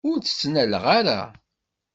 Ur tt-ttnaleɣ ara.